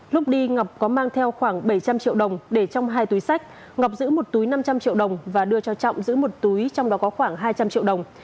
lúc đi ngọc có mang theo khoảng bảy trăm linh triệu đồng để trong hai túi sách ngọc giữ một túi năm trăm linh triệu đồng và đưa cho trọng giữ một túi trong đó có khoảng hai trăm linh triệu đồng